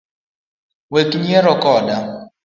Wek nyiero koda